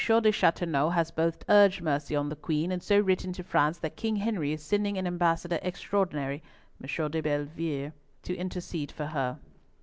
de Chateauneuf hath both urged mercy on the Queen, and so written to France that King Henry is sending an Ambassador Extraordinary, M. de Bellievre, to intercede for her.